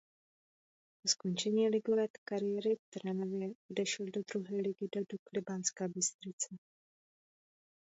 Po skončení ligové kariéry v Trnavě odešel do druhé ligy do Dukly Banská Bystrica.